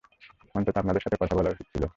অন্তত আপনাদের সাথে কথা বলা উচিত ছিল?